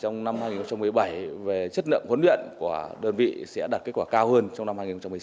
trong năm hai nghìn một mươi bảy về chất lượng huấn luyện của đơn vị sẽ đạt kết quả cao hơn trong năm hai nghìn một mươi sáu